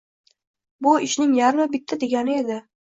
Bu – ishning yarmi bitdi degani edi